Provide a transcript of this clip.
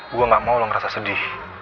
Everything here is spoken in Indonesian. gue gak mau ngerasa sedih